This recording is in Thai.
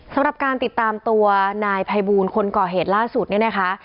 สำหรับการติดตามตัวนายภัยบูลคนก่อเหตุล่าสุดเนี่ยนะคะ